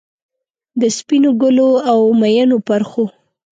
د سپینو ګلو، اومیینو پرخو،